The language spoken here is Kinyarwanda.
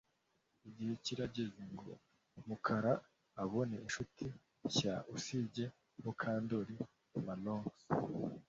Igihe kirageze ngo Mukara abone inshuti nshya usibye Mukandoli MarlonX